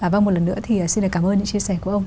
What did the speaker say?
vâng một lần nữa thì xin được cảm ơn những chia sẻ của ông